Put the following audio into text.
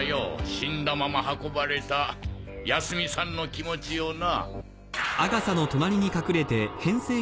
死んだまま運ばれた泰美さんの気持ちをな！